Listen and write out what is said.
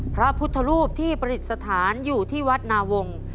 พระพุทธรูปที่ประดิษฐานอยู่ที่วัดนาวงศ์